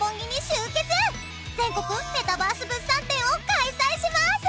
全国メタバース物産展を開催します！